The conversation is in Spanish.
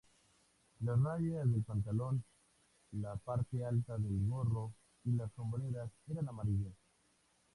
Las rayas del pantalón, la parte alta del gorro y las hombreras eran amarillas.